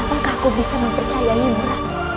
apakah aku bisa mempercayai ratu